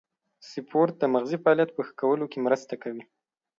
سپورت د مغزي فعالیت په ښه کولو کې مرسته کوي.